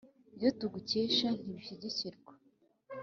Ibyo tugukesha ntibishyikirwa